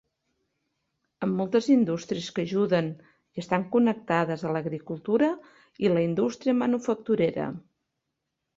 Amb moltes indústries que ajuden i estan connectades a l'agricultura i la indústria manufacturera.